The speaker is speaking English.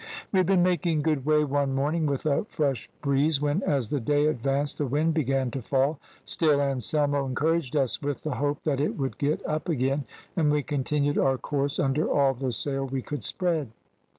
"We had been making good way one morning with a fresh breeze, when as the day advanced the wind began to fall: still Anselmo encouraged us with the hope that it would get up again, and we continued our course under all the sail we could spread.